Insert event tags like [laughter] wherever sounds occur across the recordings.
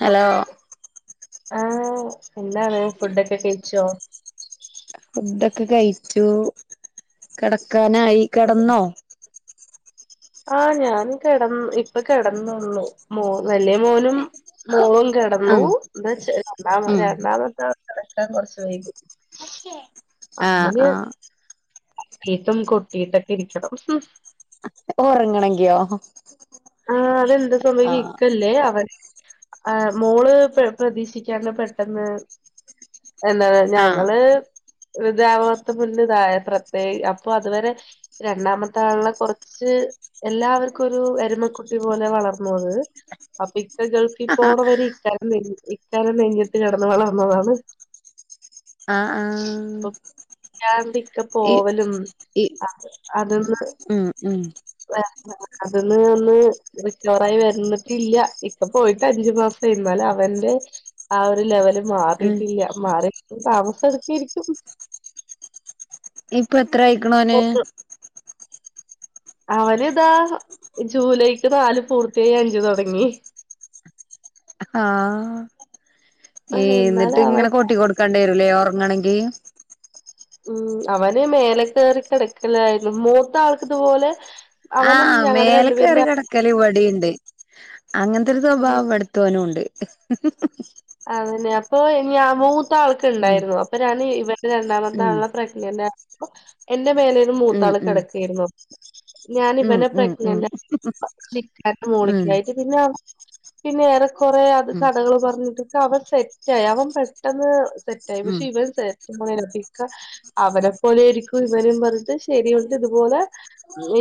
Hello ആഹ് എന്താണ് ഫുഡൊക്കെ കഴിച്ചോ ഫുഡൊക്കെ കഴിച്ചു കെടക്കാനായി കെടന്നോ ആ ഞാൻ കിടന്ന് ഇപ്പൊ കെടന്നുള്ളു മോ വലിയ മോനും മോളു കിടന്നു ഉം എന്താന്ന് ഉം വെച്ചു ഇന്ന് കിടക്കാൻ കൊറച്ച് വൈകി ആഹ് ആ പീത്തും കൊട്ടീട്ടൊക്കെ ഇരിക്കണു ഉറങ്ങണെങ്കിയോ ആ അതെന്താ സമയം ആഹ് കിക്കല്ലേ അവ ആ മോള് പ്രതീക്ഷിക്കാണ്ട് പെട്ടെന്ന് എന്താണ് ആഹ് ഞങ്ങൾ [unintelligible] തേ അപ്പൊ അതുവരെ രണ്ടാമത്തെ ആളിനെ കുറച്ച് എല്ലാവർക്കും ഒരു എരുമകു കുട്ടി പോലെ വളർന്നത് അപ്പൊ ഇക്ക ആഹ് ഗൾഫിപോണവരെ ഇക്കാടെ നെഞ്ചത്ത് കിടന്ന് വളർന്നതാണ് ആ ആ അപ്പൊ പിന്നാണ് ഇക്ക ഇ പോവലും ഇ അതൊന്ന് ഉം ഉം അതിന്ന് ഒന്ന് റിക്കവറായി വരുന്നിട്ടില്ല ഇപ്പ പോയിട്ട് അഞ്ച് മാസം ആവുന്നു അവന്റെ ആ ഒരു ലെവല് ഉം മാറിട്ടില്ല മാറി താമസം എടുക്കോയിരിക്കും ഇപ്പത്ര ആയിക്കണോന് അവന് ഇതാ ജൂലൈക്ക് നാല് പൂർത്തിയായി അഞ്ച് തൊടങ്ങി ആ ആ, ഏ എന്നിട്ട് എന്നാലും അവൻ ഇങ്ങനെ കൊട്ടി കൊടുക്കേണ്ടി വരുമല്ലേ ഒറ ങ്ങണെങ്കി ഉം അവന് മേലെ കേറി കെടക്കലായിരുന്നു മൂത്ത ആൾക്കിതുപോലെ ആഹ മേലെ കേറി കെടക്കല് ഇവിടേം ഉണ്ട് അങ്ങനത്തെരു ഉം സ്വഭാവം ഇവിടത്തോനുമുണ്ട് മൂത്താൾക്ക് ഉം ഉണ്ടായിരുന്നു അപ്പൊഴാണ് ഇവന ഉം രണ്ടാമത്താളെ പ്രെഗ്നന്റ് ആയപ്പോ എ ന്റെ മേലേലും ഉം മൂത്താള് ഉം കെടക്കായിരുന്നു ഉം ഞാനിവനെ [inaudible] ഉം ഉം [unintelligible] പിന്നെ ഏറെ കൊറെ അത് ഉം ഉം കഥകള് പറഞ്ഞിട്ട് അവ, സെറ്റായി, അവൻ പെട്ടെന്ന്, സെറ്റായി, ഉം പക്ഷെ, ഇവൻ, സെറ്റ്, ഇക്ക അവരെ, പോലെ, രിക്കും, ഇവരും, പറഞ്ഞ ശരിയുണ്ട്, ഇതുപോലെ,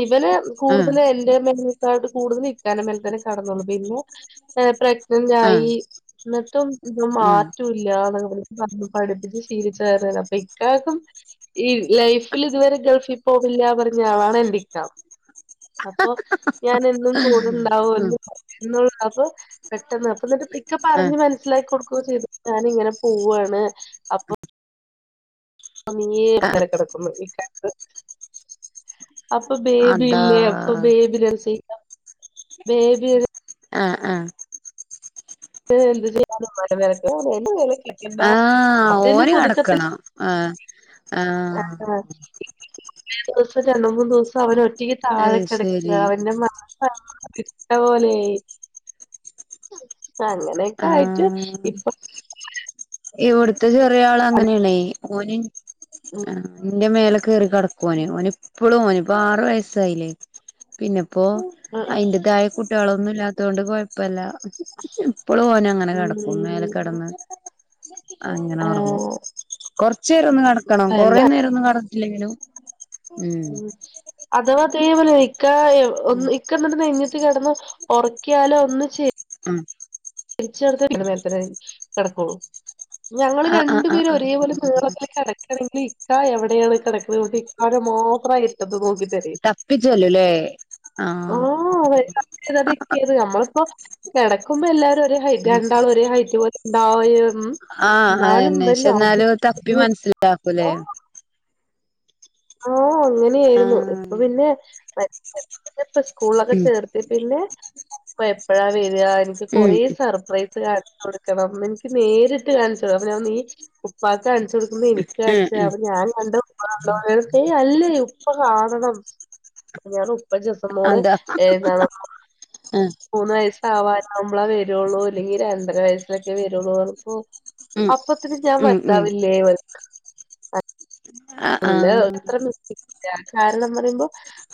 ഇവനെ, ആഹ് കൂടുതല്, എന്റെ, മേ [unintelligible] കിടന്നോളും, പിന്നെ, പ്രേഗ്നെന്റായി, ആഹ് ന്ന ട്ടും, ഇവൻ, ആഹ് മാറ്റല്ല [unintelligible] പഠിപ്പിച്, ശീലിച്ചോയ, അപ്പൊക്കാക്കും, ഈ, ലൈഫിലിത് വരെ, ഗൾഫ്‌യ് ല്ല, പറഞാളാണ്, എന്റിക്ക. അപ്പൊ, ഞാനെന്നും, ഉം കൂടെണ്ടാവല്ലോ, എന്നുള്ള, അപ്പ, പെട്ടെന്ന്, അപ്പൊ ഇക്കെ, പറഞ്ഞഞ്, ആഹ് മനസ്സിലാക്കി, കൊടുക്ക, ക്കെ, ചെയ്ത ഞാനിങ്ങനെ, പോവാണ്, അപ്പൊ ആഹ് [unintelligible] അപ്പൊ, അതാ ബേബില്ലേ, അപ്പൊ, ബേബി, രസ, ബേബി ആഹ്, ആഹ് എന്ത്, [inaudible] ആഹ, ഫസ്റ്റ് ഓന്, പുതുക്കത്തിൽ കടക്കണം, ആഹ ആഹ്. ആ [unintelligible] ദിവസം രണ്ട്മൂന്ന് ദിവസം അവന് ഒറ്റക്ക് അത് താഴെ കെടക്ക ശരി അവന്റെ മനസ്സ ഇട്ട പോലെ. അങ്ങനെയൊക്കെ ആയിട്ട് ആഹ് ഇപ്പൊ. ഇവിടുത്തെ ചെറിയ ആൾ അങ്ങനെയണെ ഓന്. ഉം ആ എന്റെ മേലെ കേറി കെടക്കൊന് ഓനിപ്പളും ഓ ഇപ്പൊ ആറ് വയസായില്ലേ പിന്നെപ്പോ ഉം അയിന്റതായ കു കുട്ട്യാളൊന്നും ഇല്ലാത്തോണ്ട് കൊയപ്പില്ല ഇപ്പളു ഓനങ്ങനെ കെടക്കും മേല ഉം കെടന്ന്. അങ്ങനെ ഒറങ്ങും ആഹ് കൊറച്ചേരൊന്നു കെടക്കണം അല്ല കൊറേ നേരൊന്നു കെ ഇല്ലെങ്കിലൊ. ഉം അഥവാ തേ പോലെ ഒരിക്കെ [unintelligible] ഇക്ക ന്നിട്ട് നെഞ്ഞത്ത് കെടന്നു. ഉറക്കിയാലോ ഒന്ന് ചെ ഉം. രിച്ചെടുത്ത് [unintelligible] കെടക്കൂ. ഞങ്ങള് ആഹ് ആഹ് രണ്ടുപേരും ആഹ് ഒരേപോലെ ആഹ് വീളത്തിലേ കെടക്കണെങ്കിൽ ഇക്കാ എവിടെയാണ് കെട [unintelligible] മാത്രാ ഇര്ട്ടത്ത് നോക്കി തപ്പി ചെല്ലുലേ ആ ആഹ് [unintelligible] നമ്മളിപ്പോ. കിടക്കുമ്പോ എല്ലാരും ഒരേ ഹൈറ്റ് രണ്ടാളും ഒരേ ഹൈറ്റ് പോലെ ഉണ്ടാ ഉം ആഹ് എന്നാലും അയെന്നെ വൻ. പക്ഷെ എന്നാലും തപ്പി മനസ്സിലാക്കൂലേ [unintelligible] ആഹ് അങ്ങനെയായിരുന്നു ഇപ്പൊ ആഹ് പിന്നെ വ പ്പ സ്കൂളൊക്കെ ഉം ചേർത്തി പിന്നെ. പ്പ എപ്പഴാ വരാ എനിക്ക് ഉം കൊറെേ സർപ്രൈസ് കാണ് കൊടുക്കണം എനിക്ക് നേരിട്ട് കാണിച്ചൊ അപ്പ ഞാൻ നീ ഉപ്പ കാണിച്ചു കൊടുക്കുമ്പൊ എനിക്ക് ഉം കാണിച്ച ഉം അപ്പൊ ഞാൻ. [unintelligible] ഏയ് അല്ലേ ഉപ്പ കാണണം. ഞാൻ [unintelligible] മോള് അതാ ഏ ന്താണ് ഉം മൂന്ന് വയസ്സാവാനാവുമ്പൊ. പ്പളാ വരൂള്ളൂ ല്ലെങ്കിൽ രണ്ടര വയസ്സിലൊക്കെ വരുള്ളൂ [unintelligible] ഉം അപ്പത്തിന് ഞാൻ ഉം ഉം വൽതാവില്ലേ. [unintelligible] ആഹ് അല്ലൊ ആഹ് ത്ര. [inaudible] ഞാന് കാരണം പറയുമ്പോ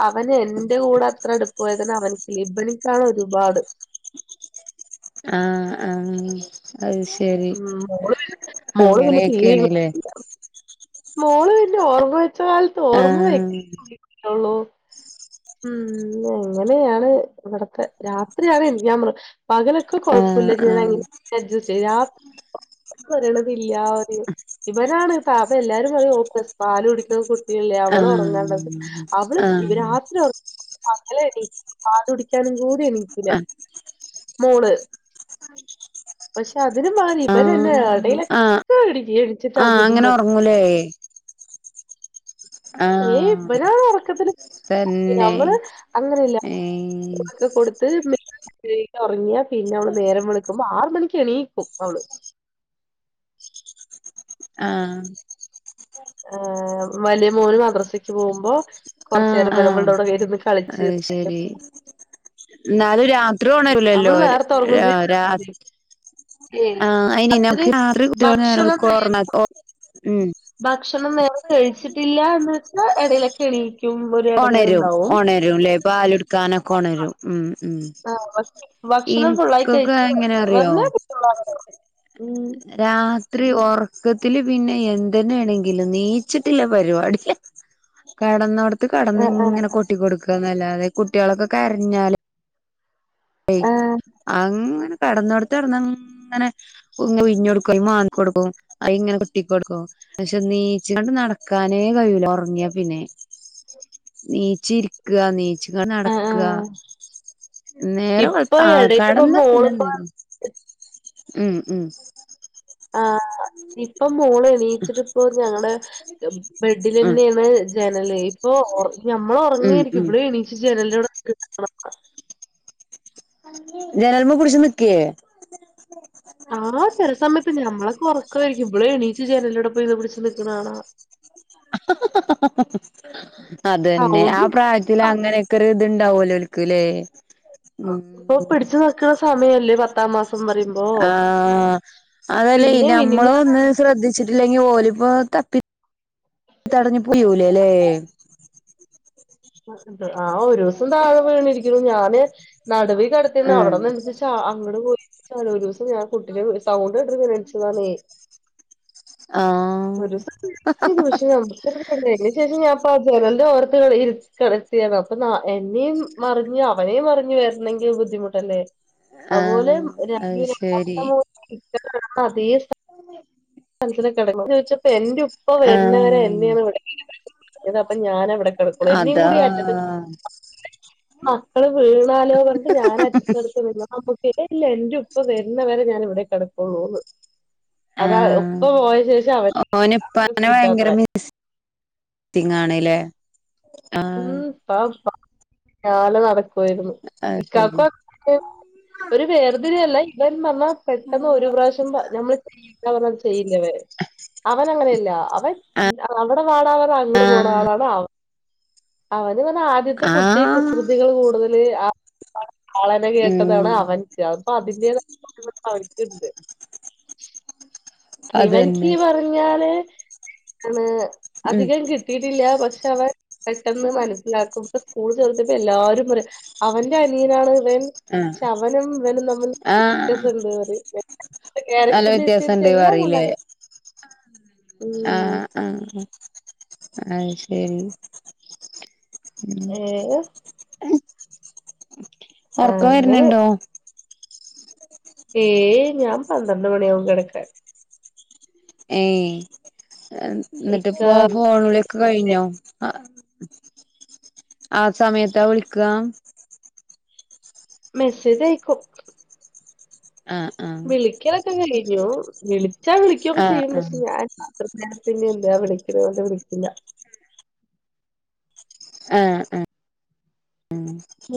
അവൻ എന്റെ കൂടെ അത്ര അടുപ്പായതന്നെ അവൻക്ക് [unintelligible] ഒരുപാ അട്. ആഹ്. അയ് ശെരി ഉം മോള് മോള് പിന്നെ തീരെ ഇല്ല. അങ്ങനെയക്കെണ്ലെ? മോള് പിന്നെ ഓർമ്മ വെച്ച കാലത്ത് ഓർമ്മ വെ. ആഹ് [unintelligible] ഉം എങ്ങനെയാണ് ഇവിടത്തെ രാത്രിയാണ് [unintelligible] പകലൊക്കെ കൊഴ ആഹ് ആഹ് [unintelligible] അഡ്ജസ്റ്റൈ രാ പറിണത് ഇല്ല [unintelligible] ഇവനാണ് [unintelligible] അപ്പ എല്ലാരും പറിം ഓൻ [unintelligible] പാല് കുടിക്കു ല്ല അവള് ഒറങ്ങേണ്ടത് ഹ് അവള് ആഹ് [unintelligible] ആഹ് രാത്രി ഒർ അങ്ങലെടി പാലുടിക്കാനും കൂടി എണീക്കൂല. മൂന്ന്. പഷേ അതിന് മാണി ആഹ് ഇബൻന്നെ ആഹ് എടീലൊക്കെ [unintelligible] ആഹ് അങ്ങനെ ഉറങ്ങൂലേ. ഏയ് ഇബന ഒറക്കത്തിൽ തന്നെ നമ്മള് അങ്ങനെല്ല. ഏഹ് തൊക്കെ കൊടുത്ത് [unintelligible] ഒറങ്ങിയ പിന്നെ ഓള് നേരം വിളക്കുമ്പോ ആറ് മണി എണീക്കും അവള്. ആഹ്. ആ... വലിയ മോന് മദ്രസെക്ക് പോവുമ്പോ കൊറച്ചു ആഹ് നേരം ആഹ് വര്മ്പണ്ട് അഉടെ ഇരുന്ന് അത് കളിച്ച്. ശരി [unintelligible] എന്നാലും രാത്രി ഒണരൂലല്ലോ നമ്മള് നേരത്ത ഉറങ്ങും രാ ചെയ്യു ഏ ആഹ് അയിന് രാത്രി നമുക്ക് കുട്ടികള് നേരം ഭക്ഷണം വെളുക്കുവോ നേ ഒറങ്ങാത്തോ ഉം ഭക്ഷണം നേരെ കഴിച്ചിട്ടില്ല എന്ന് വെച്ചാൽ ഇടയിലൊക്കെ എണീ ഉണരും ഉണരുംല്ലേ പാാല എടുക്കാനൊക്കെ ഉണരും ഉ ഉ ആഹ് ഭക്ഷ ഭക്ഷണം ഫുള്ളായി എനിക്കൊക്കെ കഴിച്ച് എങ്ങനെ അറിയോ പറഞ്ഞാ ഉം ഇത്രരി ഉറക്കത്തില് പിന്നെ എന്തെന്നെയാണെങ്കിലും നീച്ചിട്ടില്ല പരിപാടി കടന്നടത്ത് ആഹ് കടന്നിങ്ങനെ കൊൊട്ടി കൊടുക്കുകന്നല്ലാതെ കുട്ടികളൊക്കെ കരഞ്ഞാല് ആഹ് അ പെടന്ന കൊടുത്ത് ഇടന്ന് ഇങ്ങനെ ഇ വിഞ്ഞഞ് കൊടുക്കും മാങ്ങക്ക് കൊടുക്കും അ ഇങ്ങനെ കുട്ടിക്ക് കൊടുക്കും പക്ഷെ നീച്ചൊണ്ട് നടക്കാനേ കഴൂല ഉറങ്ങിയാ പിന്നെ നെയ്ച്ചി ഇരിക്കുക നെയച്ച ആഹ് നടക്കുക ആഹ് നേരം കൊ ഇപ്പൊ ആ എടയിലിപ്പോ കടന്നാ പിന്നെ മോളിപ്പോ നേരം ഉ ഉ [inaudible] ഇപ്പം മോള് എണീയിച്ചിട്ട ഇപ്പോ ഞങ്ങളടെ ബെഡിൽ ഉം തന്നെയാണ് ജനല് ഓ ഞമ്മള ഉം ഉറങ്ങയിരിക്കും ഉം ഇവിടെ എണീച്ച് ജനലോണം ജനൽമ കുടിച്ച് നിക്കേ ആ ചെില സമയത്ത് ഞമ്മളെ കൊറ ഒക്കരിക്കുമ്പോളേോ നീ ചു ചാൻ എല്ലോടെ പോയിന്ന് പിടിച്ചച്ച് നിൽക്കണാണോ [unintelligible] അത് തന്നെ ആ പ്രായത്തിൽ അങ്ങനെയൊക്കെ ഒരു ഇത്ണ്ടാവുമല്ലോ ഒക്ക്ല്ലേ ഇപ്പൊ പിടിച്ചു നക്കുന്ന സമയല്ലേ പത്താം മാസം പറയുമ്പോ ആ അതല്ലേ ഇ പിന്നെ നമ്മള മിനിഞ്ഞ ഒന്ന് ശ്രദ്ധിച്ച വച്ചിട്ടില്ലെങ്കി ഓലിപ്പോ തപ്പി തടഞ്ഞി പോയിലേല്ലേ ആഹ ഒരു ദിവസം താഴെ വീണിരിക്കുന്നു ഞാന് നടുവി കടത്തിന്ന് ആഹ് അവിടെന്ന് എ അങ്ങ പോയി ദിവസം ഞാൻ കുട്ടി സൗ ഇക്കച്ചാലേ ഒരു ആഹ് പക്ഷെു ഞ െ വർത്ത ഇ കിടത്തിയാണ് അപ്പൊ എന്നെയും മറിഞ്ഞഞ് അവനേും മഞ്ഞഞ് വരുന്നെങ്കിൽ ബുദ്ധിമുട്ടല്ലേ അതുപോലെ രണ്ട അത് രണ്ടാമത്തെ മൂ അത ആ [unintelligible] മനസിന കിടക്കന്ന് ചോദിച്ചപ്പ എന്റെ ഉപ്പ വരുന്നവരെ ആഹ് എന്നെയാണ് വി ഇപ്പ ഞൻ ഇവിടെ കിടക്കളൂ എന്നും അതാ കൂടി ആറ്റത് മക്കള് വീണാലോ പറഞ്ഞ ഞാൻ അറ്റത്തെടുത്ത് നിില്ല ഇല്ല എന്റെ ഇപ്പ തരുന്ന വരെ ഞാൻ ഇവിടെ കിടക്കള്ളൂന്ന് അതാ ഉപ്പ പോയ ശേഷം ഉ അവർക്ക് ഓനിപ്പനെ ഭയങ്കര സീറ്റാത്രേ [unintelligible] ആഹ് ഉം പപ്പള അ [unintelligible] പോയിരുന്നു അത് ശരി ഇക്കക്കും ഒരു വേർതിരിയല്ല ഇവൻ പറ പെട്ടെന്ന് ഒരു പ്രാവശ്യം നമ്മള് ചെയ്യില്ല പറാത് ചെയ്യില്ലവേ അവൻ അങ്ങനെയല്ല അവൻ അവിടെ പാടതൻ അങ്ങു പോണ ആഹ് ആളാണ് അവ അവന് പറഞ്ഞ ആദ്യത്തെ കുട്ടി ആഹ് കുസൃതികൾ കൂടുതല് കാളന കേട്ടതാണ് ഉം അവൻക്ക് അപ്പ അ ഇ അവർക്കുണ്ട് [unintelligible] ഇവനിക്ക് അതന്നെ പറഞ്ഞാല് ആ ഉം അധികം കിട്ടിയിട്ടില്ല പക്ഷ പ അവൻ പെട്ടെന്ന് മനസ്സിലാക്കുമ്പ സ്കൂൾ ചേർത്തപ്പോ എല്ലാരും അവന്റെ അനിയനാണ് ആഹ് ശവനം ഇനും നമ്മണ്ട് ആഹ് അ കയാരക്റ്റു ബസി അദേവ അറിയില്ലേ ആ ഉം ആ അ ശരി ഉം ഏ ഉറക്കം അങ്ങനെ വരുന്നുണ്ടോ ഏയ് ഞൻ പന്ത്രണ്ട് മണി അവൻ കിക്ക ഏയ് എൻ ഇക്ക ന്നിട്ട്പ്പൊ ഫോണിവിളിയൊക്കെ കഴിഞ്ഞോ ആ ആ സമയത്താ വിളിക്കാ മെസ്സേജ് അയക്കും ആഹ് വിളിക്കലൊക്കെ കഴിഞ്ഞു വിളിച്ചാ വിളിക്കൊക്കെ ആഹ് ആഹ് ചെയ്യും പക്ഷെ ഞാൻ ഞാ പിന്നെ എന്താ വിളിക്ക്‌നോണ്ട് വിളിക്കില്ല ആ ആ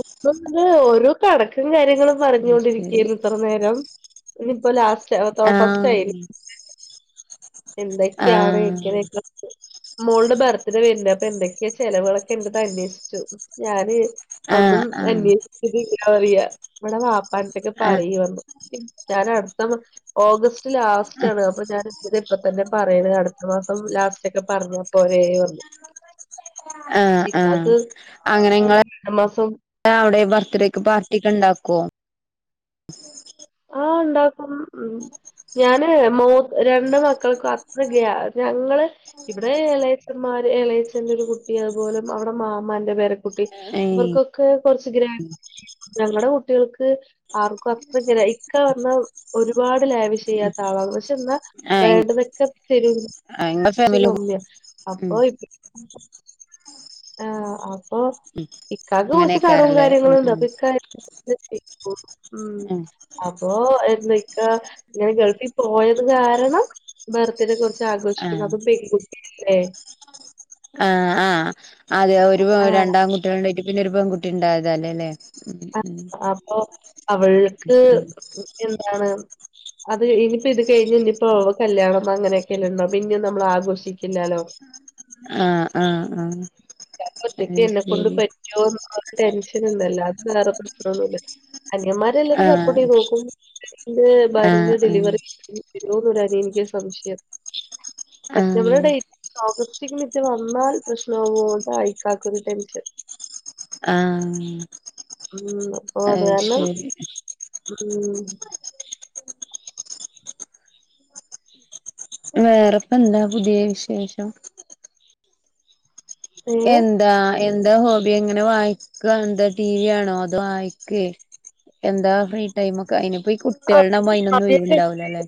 ഇപ്പ ത് ഓരോ കണക്കും കാര്യങ്ങളും അത് ശരി പറഞ്ഞൊണ്ടിരിക്കേന് ഇത്ര നേരം ഇനി ഇപ്പോ ലാസ്റ്റ് തോ ആഹ് ഫസ്റ്റായി എന്തൊക്കെയാണ് ആഹ് എങ്ങനക്ക മോള്ടെ ബർത്ത്ഡേ വരുന്ണ്ട് അപ്പോ എന്തൊക്കെയ ചെലവുകളൊക്കെ ഇണ്ട്ന് അന്വേഷിച്ചു ഞാന് ഒന്നും ആഹ് ആഹ് അന്വേഷിച്ചില്ല പറിയ നമ്മടെ വാപ്പാന്ത്ത്ക്ക്‌ ആഹ് ആഹ് പറയ് വന്നു ഞാൻ അടുത്ത ഓഗസ്റ്റ് ലാസ്റ്റ് ആണ് അപ്പൊ ഞാൻ ഇ ഇപ്പൊ തന്നെ പറയ്ണ് അടുത്ത മാസം ലാ ലാസ്റ്റോക്കെ പറഞ്ഞപ്പോരേ പറഞ്ഞു ആ ആ ഇക്കാക്ക് അങ്ങനെ ഇങ്ങളെ രണ്ട് മാസം അവിടെ ബർത്ത്ഡേക്ക് പാർട്ടി ഒക്കെ ഇണ്ടാക്കോ ആ ഇണ്ടാക്കും ഞാന് മോ രണ്ട് മക്കൾക്കും അത്രക്കയ ഞങ്ങള് ഇവിടെ എളയച്ചന്മാ എളേച്ചന്റൊരു കുട്ടി അതുപോലെ അവിടെ മാമാന്റെ പേരെകു കുട്ടി ഏഹ് ഇവർക്കൊക്കെ കുറച്ച് ഗ്രാൻ ഞങ്ങടെ കുട്ടികൾ ക്ക്‌ ആർക്കും അത്ര ഗ്രേയ് ക്ക റഞ്ഞ ഒരുപാട് ലേവിഷെയ്യാത്താളാണ് പക്ഷെ എന്നാ ആഹ് വേണ്ടതൊക്കെ തരു ഇങ്ങളെ ചെ ഫാമിലി കമ്മിയ ഉം അപ്പൊ ആ അപ്പൊ ഉം ഇക്കാക്ക് കൊച്ച് കടോം അങ്ങനെക്കാരല്ലേ ഉം കാര്യങ്ങളുംണ്ട് ഉം അപ്പൊ ഇക്ക നിർത്തി ഉ ഉം അപ്പൊ എന്തക്കാ ങ്ങനെ ഗൾഫി പോയത് കാരണം ബെർത്ത്ഡെ കുറച്ച് ആഘോഷിക്കണം ആഹ് അതും പെൺകുട്ടിയല്ലേ ആ ആഹ് അതെ ഒരു ആഹ് രണ്ടാകുട്ടികളുണ്ടായിട്ട് പിന്നെ ഒരു പെൺകുട്ടി ഇണ്ടായതല്ലേ ലെ ആ അപ്പൊ അവൾക്ക് ഉം എന്താണ് അത് ഇനിയിപ്പോ ഇത് കഴിഞ് ഇനിപ്പോ കല്യാണം അനൊക്കെല്ലള്ളൂ പിന്നെ നമ്മൾ ആഘോഷിക്ക ഇല്ലാലോ ആ ആ ആ ത്താക്ക് ഒറ്റയ്ക്ക് എന്നെക്കൊണ്ട് പറ്റോ രു ടെൻഷന്ണ്ട് അല്ലാതെ വേറെ പ്രശ്നൊന്നുല്ല അനിന്മാരെ എല്ലാവരും ആഹ് സപ്പോർട്ട് ചെയ്ത് നോക്കും ന്ന് ആഹ് ഭാര്യന്റെ ഡെലിവറി ആഹ് എനിക്ക് സംശയം സെപ്റ്റംബറ ആഹ് ഡറ്റ് ഓഗസ്റ്റ് [unintelligible] കുറ്റിക്ക മിറ്റ വന്നാൽ പ്രശ്ന ആവുംട്ട ആഐക്കാക്ക ഒരു ടെൻഷൻ [unintelligible] ആ മ്മ് അപ്പൊ അത് കാരണം മ്മ് വേറെപ്പന്താ പുതിയ വിശേഷം ഏഹ് എന്താ എന്താ ഹോബി ങ്ങനെ വായിക്കാ ന്ത് ടീവിയാണോ തോ വായിക്കേ എന്താ ഫ്രീ ടൈമൊക്കെ അയിനിപ്പ ഈ കുട്ട്യേളാവുമ്പോ ആഹ് അയിനൊന്നൊയ്‌വുണ്ടാവൂല്ലലേ